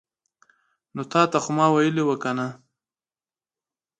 نو تاته خو ما ویلې وو کنه